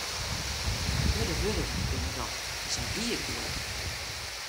Hurde wurden binne dat, en sa wie ik doe ek.